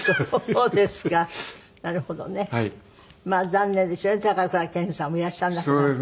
残念ですよね高倉健さんもいらっしゃらなくなってね。